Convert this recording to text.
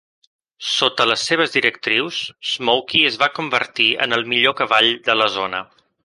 Sota les seves directrius, Smoky es va convertir en el millor cavall de la zona.